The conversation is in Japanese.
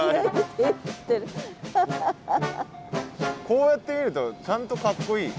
こうやって見るとちゃんとかっこいい。